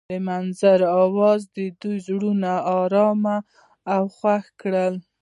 د منظر اواز د دوی زړونه ارامه او خوښ کړل.